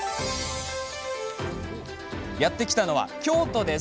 やってきたのは京都です。